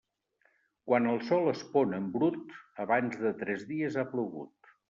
Quan el sol es pon en brut, abans de tres dies ha plogut.